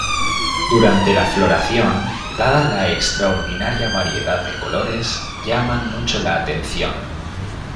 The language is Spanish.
Durante la floración, dada la extraordinaria variedad de colores, llaman mucho la atención.